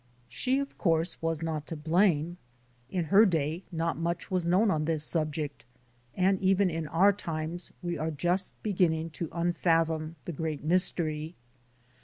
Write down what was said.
She of course was not to blame; in her day not much was known on this subject, and even in our times we are just beginning to unfa thorn the great mystery.